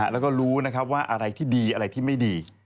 แล้วก็รู้นะครับว่าอะไรที่ดีอะไรที่ไม่ดี